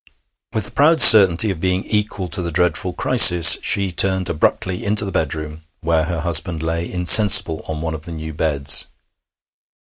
With the proud certainty of being equal to the dreadful crisis, she turned abruptly into the bedroom, where her husband lay insensible on one of the new beds.